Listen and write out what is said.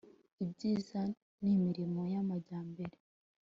ibyiza, n'imirimo y'amajyambere